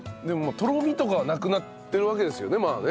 でもとろみとかはなくなってるわけですよね？